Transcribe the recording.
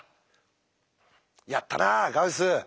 やったなあガウス！